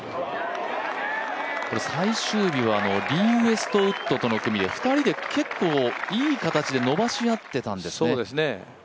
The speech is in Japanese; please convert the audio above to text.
最終日はリー・ウェストウッドとの組で２人で結構、いい形で伸ばし合っていたんですね。